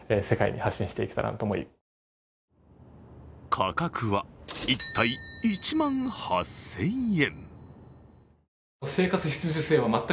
価格は１体１万８０００円。